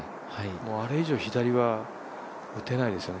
あれ以上左は打てないですよね。